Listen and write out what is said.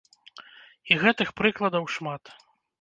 І гэтых прыкладаў шмат.